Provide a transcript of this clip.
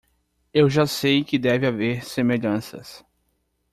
Eu já sei que deve haver semelhanças.